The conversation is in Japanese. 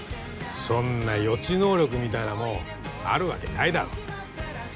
そんな予知能力みたいなもんあるわけないだろ。